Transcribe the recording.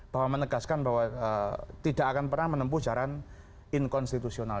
bahwa menegaskan bahwa tidak akan pernah menempuh jalan inkonstitusional